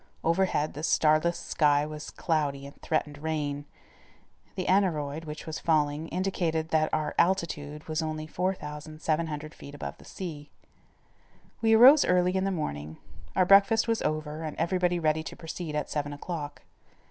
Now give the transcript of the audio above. Overhead the starless sky was cloudy and threatened rain. The aneroid, which was falling, indicated that our altitude was only 4,700 feet above the sea. We arose early in the morning; our breakfast was over and everybody ready to proceed at seven o'clock.